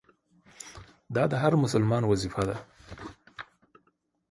دا د هر مسلمان وظیفه ده.